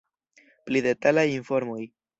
Pli detalaj informoj.